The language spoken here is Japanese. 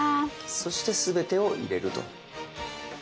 そして全てを入れると。